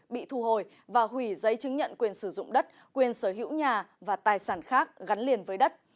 bị thu hồi và hủy giấy chứng nhận quyền sử dụng đất quyền sở hữu nhà và tài sản khác gắn liền với đất